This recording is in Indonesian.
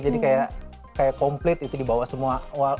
jadi kayak komplit itu dibawa semua